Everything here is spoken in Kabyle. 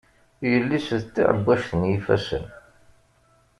Yelli-s d taɛebbajt n yifassen.